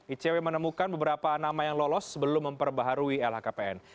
icw menemukan beberapa nama yang lolos sebelum memperbaharui lhkpn